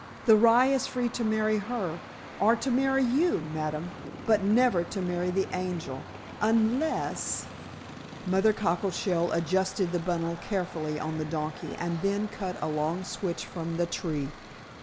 The rye is free to marry her, or to marry you, ma'am, but never to marry the angel, unless " Mother Cockleshell adjusted the bundle carefully on the donkey, and then cut a long switch from the tree.